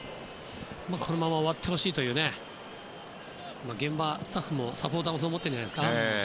このまま終わってほしいと現場スタッフもサポーターもそう思っていると思います。